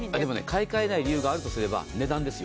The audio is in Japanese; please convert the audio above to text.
買い替えない理由があるとすれば値段です。